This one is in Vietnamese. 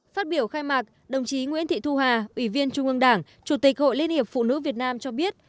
phát biểu khai mạc đồng chí nguyễn thị thu hà ủy viên trung ương đảng chủ tịch hội liên hiệp phụ nữ việt nam cho biết